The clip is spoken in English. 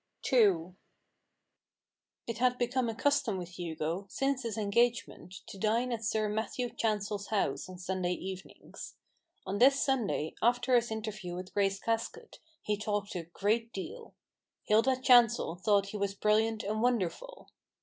II It had become a custom with Hugo, since his engagement, to dine at Sir Matthew Chancel's house on Sunday evenings. On this Sunday, after his interview with Grace Casket, he talked a great deal. Hilda Chancel thought he was brilliant and wonderful.